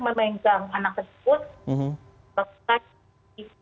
maka kita akan melakukan perawatan yang lebih baik